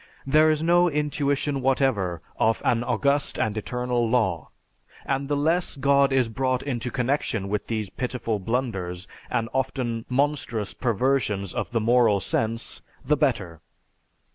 There is no intuition whatever of an august and eternal law, and the less God is brought into connection with these pitiful blunders and often monstrous perversions of the moral sense, the better.